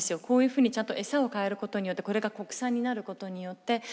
こういうふうにちゃんとエサを変えることによってこれが国産になることによって。